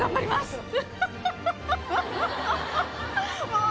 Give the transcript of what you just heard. もう。